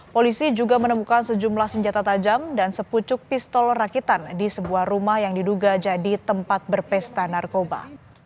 polisi juga menemukan sejumlah senjata tajam dan sepucuk pistol rakitan di sebuah rumah yang diduga jadi tempat berpesta narkoba